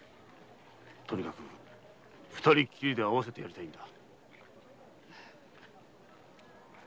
とにかく二人きりで会わせてやりたいんだ。